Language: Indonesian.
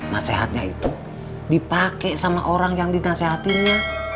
nasehatnya itu dipake sama orang yang dinasehatiinnya